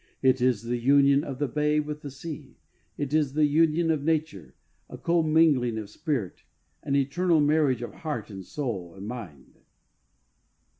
It is like the union of the bay with the sea. It is a union of nature, a commingling of spirit, an eternal marriage of heart, and soul, and mind.